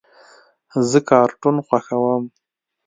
زه کارټون خوښوم.